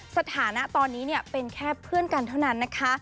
สถานะตอนนี้เป็นแค่เพื่อนกันเท่านั้นนะคะ